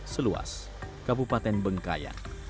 seluas kabupaten bengkayang